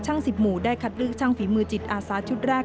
๑๐หมู่ได้คัดเลือกช่างฝีมือจิตอาสาชุดแรก